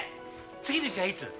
次の試合いつ？